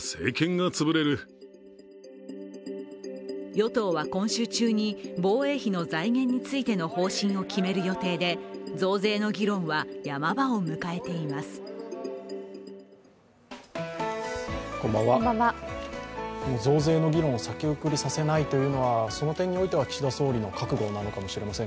与党は、今週中に防衛費の財源についての方針を決める予定で増税の議論はヤマ場を迎えています。